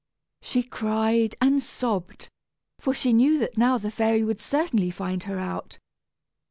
She cried and sobbed, for she knew that now the fairy would certainly find her out.